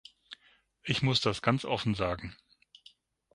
Ich muss das ganz offen sagen.